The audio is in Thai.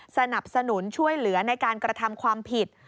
สนับสนุนช่วยเหลือในการกระทำความผิด